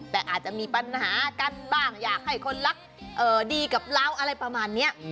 แต่อาจจะมีปัญหากันบ้างอยากให้คนรักดีกับเราอะไรประมาณนี้